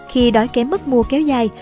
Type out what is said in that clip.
khi đói kém mất mùa kéo dài